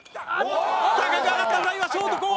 高く上がったフライはショート後方。